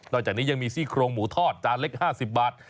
จากนี้ยังมีซี่โครงหมูทอดจานเล็ก๕๐บาท